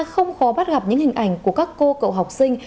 không khó bắt gặp những hình ảnh của các cô cậu học sinh